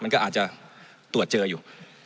มันก็อาจจะตรวจเจออยู่